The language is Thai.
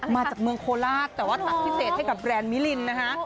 มาจากเมืองโคราชแต่ว่าตัดพิเศษให้กับแรนด์มิลินนะคะ